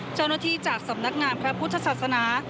เจ้าหน้าที่จากสำนักงามพระพุทธศาสนา